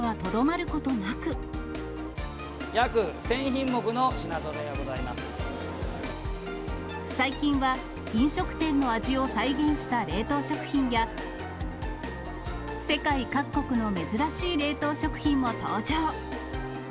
約１０００品目の品ぞろえが最近は、飲食店の味を再現した冷凍食品や、世界各国の珍しい冷凍食品も登場。